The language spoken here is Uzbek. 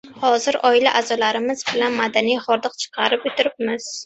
— Hozir oila a’zolarimiz bilan madaniy hordiq chiqarib o‘tiribmiz.